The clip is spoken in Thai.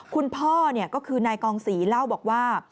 คุณพ่อก็คือนายกองศรีเล่าบอกว่า